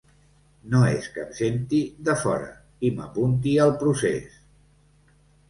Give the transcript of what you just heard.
No és que em senti de fora i m’apunti al procés.